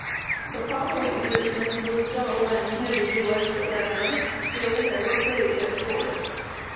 The following Christmas was dull and heavy, like the weather; still there were plays at court.